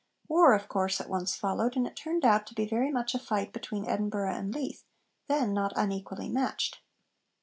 War, of course, at once followed, and it turned out to be very much a fight between Edinburgh and Leith, then not unequally matched.